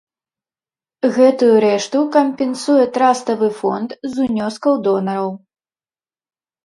Гэтую рэшту кампенсуе траставы фонд з унёскаў донараў.